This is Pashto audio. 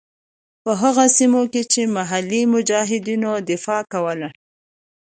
په هغو سیمو کې چې محلي مجاهدینو دفاع کوله.